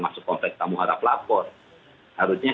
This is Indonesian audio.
masuk konteks tamu harap lapor harusnya